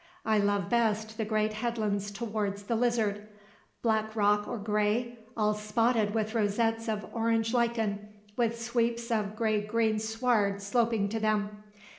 I love best the great headlands towards the Lizard, black rock or grey, all spotted with rosettes of orange lichen with sweeps of grey green sward sloping to them.